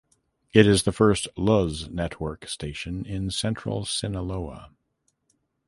It is the first Luz Network station in central Sinaloa.